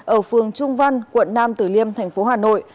ở phường trung văn quận nam tử liêm tp hà nội